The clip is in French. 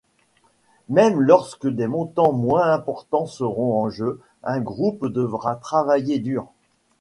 Même lorsque des montants moins importants seront en jeu, un groupe devra travailler dur.